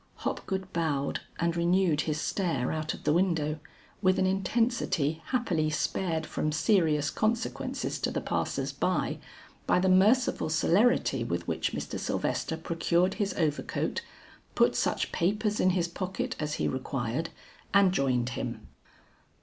Hopgood bowed and renewed his stare out of the window, with an intensity happily spared from serious consequences to the passers by, by the merciful celerity with which Mr. Sylvester procured his overcoat, put such papers in his pocket as he required, and joined him.